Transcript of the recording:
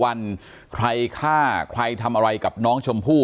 วันใครฆ่าใครทำอะไรกับน้องชมพู่